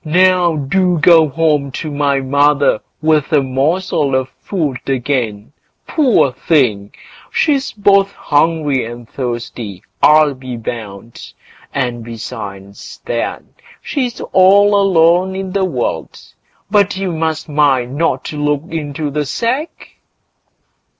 Now do go home to my mother with a morsel of food again; poor thing! she's both hungry and thirsty, I'll be bound; and besides that, she's all alone in the world. But you must mind and not look into the sack."